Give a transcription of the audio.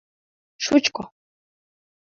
— Шучко.